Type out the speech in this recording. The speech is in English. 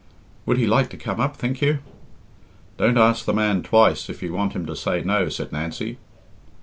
"Would he like to come up, think you?" "Don't ask the man twice if you want him to say no," said Nancy.